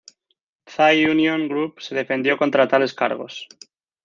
Thai Union Group se defendió contra tales cargos.